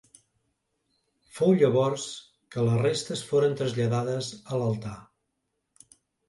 Fou llavors que les restes foren traslladades a l'altar.